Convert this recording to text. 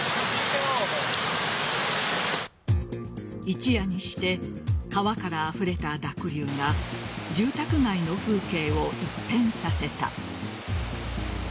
一夜にして川からあふれた濁流が住宅街の風景を一変させた。